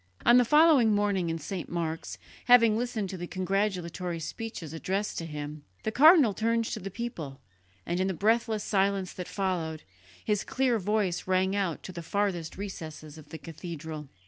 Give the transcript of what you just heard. On the following morning in St. Mark's, having listened to the congratulatory speeches addressed to him, the cardinal turned to the people, and in the breathless silence that followed, his clear voice rang out to the farthest recesses of the cathedral.